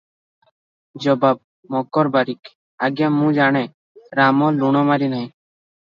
ଜବାବ ମକର ବାରିକ - ଆଜ୍ଞା ମୁଁ ଜାଣେ, ରାମ ଲୁଣ ମାରି ନାହିଁ ।